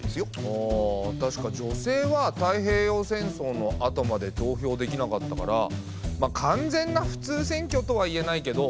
あたしか女性は太平洋戦争のあとまで投票できなかったから完全な普通選挙とは言えないけど。